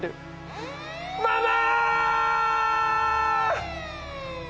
ママ！